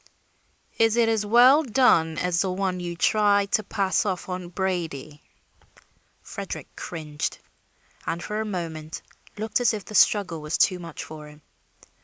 "Is it as well done as the one you tried to pass off on Brady?" Frederick cringed, and for a moment looked as if the struggle was too much for him.